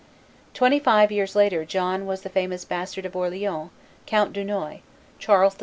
Twenty five years later John was the famous Bastard of Orleans, Count Dunois, Charles VII.